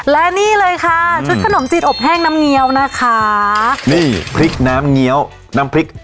และนี่เลยค่ะชุดขนมจีนอบแห้งน้ำเงี้ยวนะคะนี่พริกน้ำเงี้ยวน้ำพริก